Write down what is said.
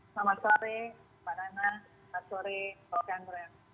selamat sore pak nana selamat sore prof andra